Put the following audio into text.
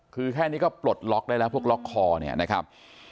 คือแค่นี้ก็ปลดล็อกได้แล้วพวกล็อกคอเนี่ยนะครับ